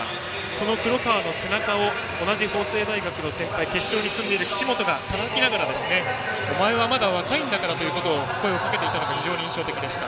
その黒川の背中を同じ法政大学の先輩決勝に進んでいる岸本が背中をたたきながらお前はまだ若いんだからと声をかけていたのが非常に印象的でした。